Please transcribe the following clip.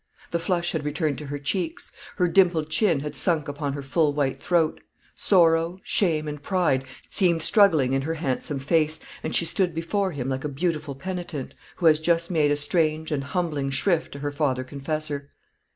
The flush had returned to her cheeks; her dimpled chin had sunk upon her full white throat; sorrow, shame, and pride seemed struggling in her handsome face, and she stood before him like a beautiful penitent, who has just made a strange and humbling shrift to her father confessor.